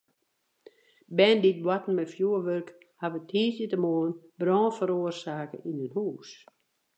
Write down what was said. Bern dy't boarten mei fjurwurk hawwe tiisdeitemoarn brân feroarsake yn in hús.